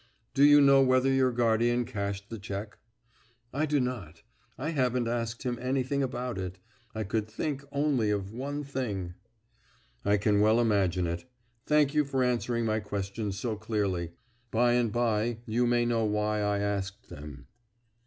"Do you know whether your guardian cashed the cheque?" "I do not; I haven't asked him anything about it. I could think only of one thing." "I can well imagine it. Thank you for answering my questions so clearly. By and by you may know why I asked them."